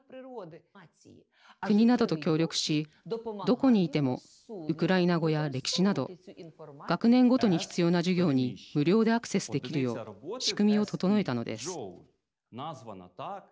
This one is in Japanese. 国などと協力しどこにいてもウクライナ語や歴史など学年ごとに必要な授業に無料でアクセスできるよう仕組みを整えたのです。